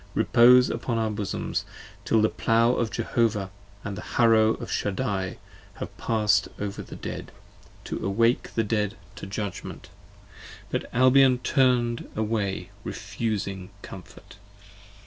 Repose upon our bosoms Till the Plow of Jehovah, and the Harrow of Shaddai, 15 Have passed over the Dead, to awake the Dead to Judgment. But Albion turn'd away refusing comfort.